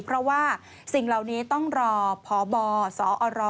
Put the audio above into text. เพราะว่าสิ่งเหล่านี้ต้องรอพบสอร